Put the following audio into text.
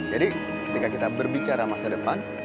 jadi ketika kita berbicara masa depan